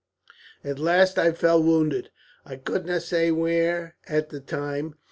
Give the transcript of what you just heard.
"At last I fell, wounded, I couldna say where at the time.